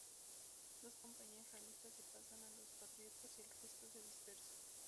Dos compañías realistas se pasan a los patriotas y el resto se dispersa.